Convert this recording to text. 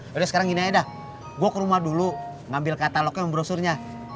udah sekarang gini aja dah gue ke rumah dulu ngambil katalognya mem brosurnya